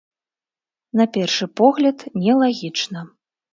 На першы погляд, нелагічна.